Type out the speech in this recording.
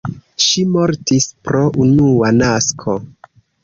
Ŝi mortis pro unua nasko.